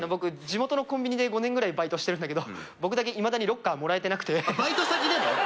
地元のコンビニで５年ぐらいバイトしてるんだけど僕だけいまだにロッカーもらえてなくてバイト先でも？